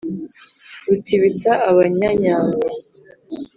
rutibitsa abanyanyambo,